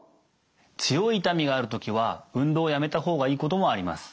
強い痛みがある時は運動をやめた方がいいこともあります。